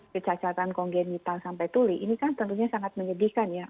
kecacatan kongenital sampai tuli ini kan tentunya sangat menyedihkan ya